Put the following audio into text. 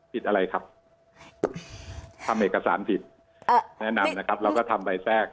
ผิดอะไรครับทำเอกสารผิดแนะนำนะครับเราก็ทำใบแทรก